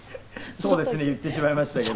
そうですね、言ってしまいましたけど。